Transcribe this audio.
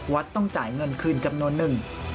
ต้องจ่ายเงินคืนจำนวนหนึ่ง